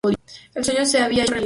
El sueño se había hecho realidad.